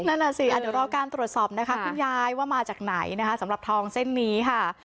นั่นน่ะสิเดี๋ยวรอการตรวจสอบนะคะคุณยายว่ามาจากไหนนะคะสำหรับทองเส้นนี้ค่ะ